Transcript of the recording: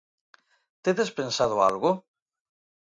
Tedes pensado algo?